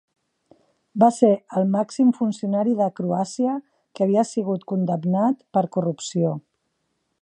Va ser el màxim funcionari de Croàcia que havia sigut condemnat per corrupció.